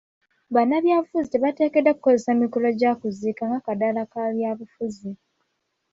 Bannabyabufuzi tebateekeddwa kukozesa mikolo gya kuziika nga kaddaala ka bya bufuzi.